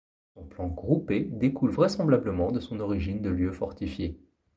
Son plan groupé découle vraisemblablement de son origine de lieu fortifié.